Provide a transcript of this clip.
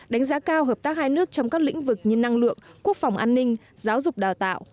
đánh giá cao hợp tác hai nước trong các lĩnh vực như năng lượng quốc phòng an ninh giáo dục đào tạo